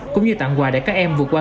cũng như tặng quà để các em vượt qua